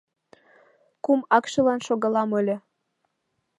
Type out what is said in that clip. Кум акшылан шогалам ыле.